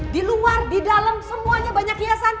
di luar di dalam semuanya banyak hiasan